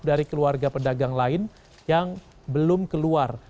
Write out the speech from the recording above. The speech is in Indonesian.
dari keluarga pedagang lain yang belum keluar